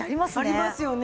ありますよね。